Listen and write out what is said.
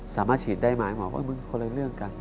สามารถฉีดได้ไหมหมอบอกว่ามึงคนเรื่องกัน